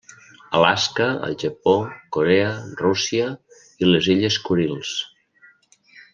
Alaska, el Japó, Corea, Rússia i les illes Kurils.